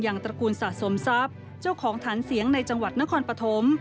ตระกูลสะสมทรัพย์เจ้าของฐานเสียงในจังหวัดนครปฐม